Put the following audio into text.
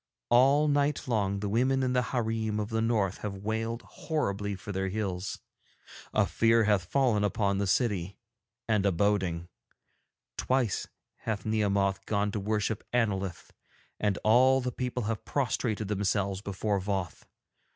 All night long the women in the hareem of the North have wailed horribly for their hills. A fear hath fallen upon the city, and a boding. Twice hath Nehemoth gone to worship Annolith, and all the people have prostrated themselves before Voth.